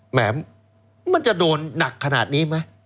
แหมมันจะโดนหนักขนาดนี้ไหม